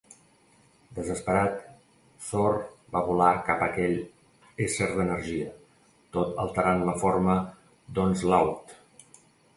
Desesperat, Thor va volar cap a aquell ésser d'energia, tot alterant la forma d'Onslaught.